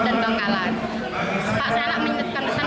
kita ada dari kabupaten sampang pamekasan sumeneb dan bangkalan